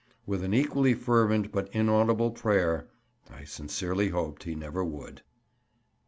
With an equally fervent but inaudible prayer I sincerely hoped he never would.